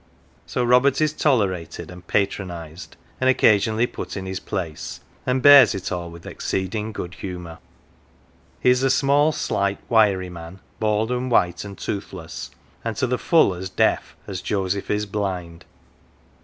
So Robert is tolerated, and patronised, and occasionally put in his place ; and bears it all with exceeding good humour. He is a small, slight, wiry man, bald and white and toothless, and to the full as deaf as Joseph is blind.